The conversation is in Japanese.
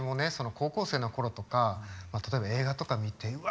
高校生のころとか例えば映画とか見てうわ